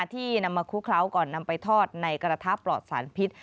ที่นำมาคลุกเคล้าก่อนนำไปทอดในกระทะปลอดสารพิษ